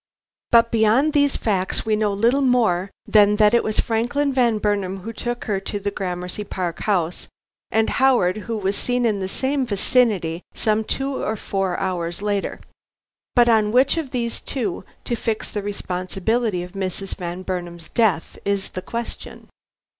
But beyond these facts, we know little more than that it was Franklin Van Burnam who took her to the Gramercy Park house, and Howard who was seen in that same vicinity some two or four hours later. But on which of these two to fix the responsibility of Mrs. Van Burnam's death, is the question."